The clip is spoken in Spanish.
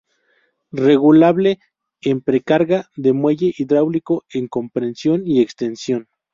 Regulable en precarga de muelle hidráulico en compresión y extensión.